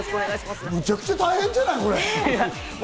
めちゃくちゃ大変じゃない！